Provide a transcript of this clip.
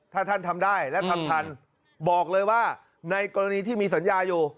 ถ้าท่านทำได้และทำทันบอกเลยว่าในกรณีที่มีสัญญาอยู่